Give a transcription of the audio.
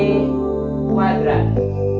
b c kuadrat